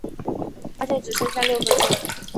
发现只剩下六分钟